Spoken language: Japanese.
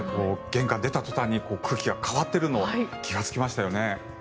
玄関出たとたんに空気が変わっているのに気がつきましたよね。